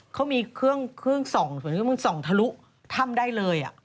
เขามีเครื่องส่องส่วนเครื่องมือส่องทะลุถ้ำได้เลย